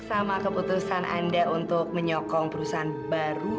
sama keputusan anda untuk menyokong perusahaan baru